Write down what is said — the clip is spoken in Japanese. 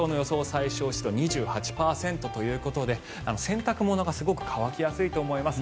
最小湿度２８％ということで洗濯物がすごく乾きやすいと思います。